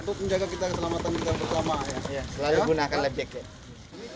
untuk menjaga keselamatan kita bersama selalu gunakan lebek